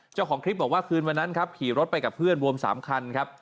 เจ้าของคลิปบอกว่าคืนวันนั้นครับขี่รถไปกับเพื่อนรวม๓คันครับ